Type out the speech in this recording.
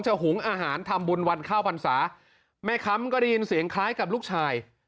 หุงอาหารทำบุญวันข้าวพรรษาแม่ค้ำก็ได้ยินเสียงคล้ายกับลูกชาย